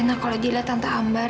gak enak kalo dia liat tante ambar